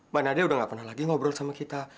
mbak nadia udah gak pernah lagi ngobrol sama kita